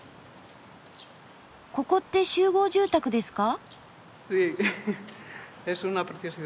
ここって集合住宅ですか？